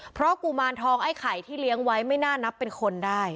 เพราะกุมารทองไอ้ไข่ที่เลี้ยงไว้ไม่น่านับเป็นคนได้